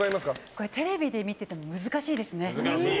これ、テレビで見てても難しいですね。